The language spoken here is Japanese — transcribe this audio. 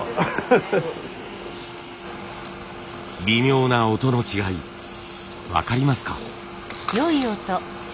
微妙な音の違い分かりますか？